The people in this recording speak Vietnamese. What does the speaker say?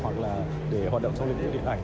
hoặc là để hoạt động trong lĩnh vực điện ảnh